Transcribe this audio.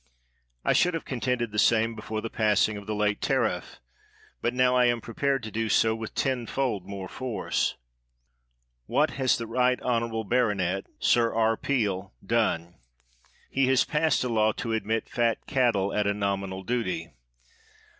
I .should have contended the same before the passing of the late tariff, but now I am prepared to do so with ten fold more force. What has the right honorable baronet [Sir R. Peel] done? He has passed a law to admit 165 THE WORLD'S FAMOUS ORATIONS fat cattle at a nominal duty.